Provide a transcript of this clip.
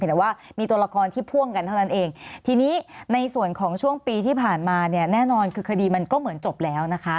แต่ว่ามีตัวละครที่พ่วงกันเท่านั้นเองทีนี้ในส่วนของช่วงปีที่ผ่านมาเนี่ยแน่นอนคือคดีมันก็เหมือนจบแล้วนะคะ